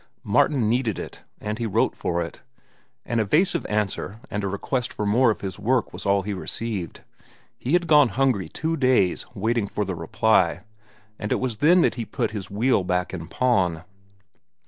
Martin needed it, and he wrote for it. An evasive answer and a request for more of his work was all he received. He had gone hungry two days waiting for the reply, and it was then that he put his wheel back in pawn.